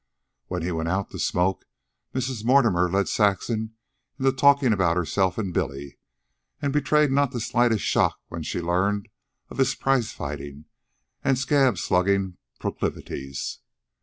When he went out to smoke Mrs. Mortimer led Saxon into talking about herself and Billy, and betrayed not the slightest shock when she learned of his prizefighting and scab slugging proclivities.